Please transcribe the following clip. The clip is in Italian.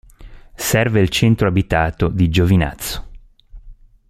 Serve il centro abitato di Giovinazzo.